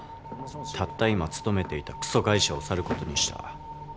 たった今勤めていたクソ会社を去ることにした。